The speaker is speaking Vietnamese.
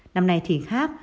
năm nay thì khác